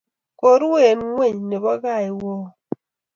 koruen ngweny nebo kaiywou